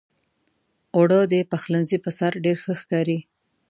اوړه د پخلنځي پر سر ډېر ښه ښکاري